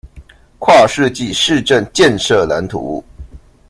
跨世紀市政建設藍圖